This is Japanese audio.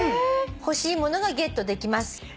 「欲しいものがゲットできます」